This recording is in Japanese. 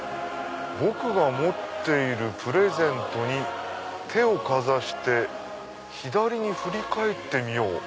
「僕が持っているプレゼントに手をかざして左に振り返ってみよう！